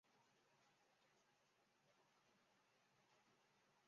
甲壳直径。